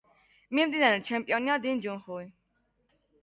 მიმდინარე ჩემპიონია დინ ჯუნხუი.